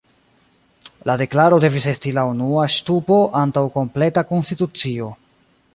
La Deklaro devis esti la unua ŝtupo antaŭ kompleta konstitucio.